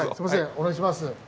お願いします。